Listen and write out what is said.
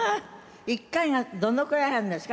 １階がどのくらいあるんですか？